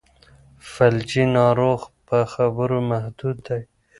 فلجي ناروغ په خبرو محدود دی.